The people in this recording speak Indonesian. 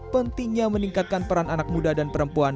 pentingnya meningkatkan peran anak muda dan perempuan